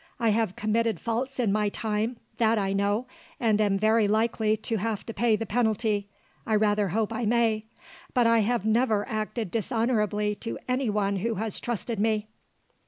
I have committed faults in my time, that I know, and am very likely to have to pay the penalty I rather hope I may but I have never acted dishonourably to any one who has trusted me."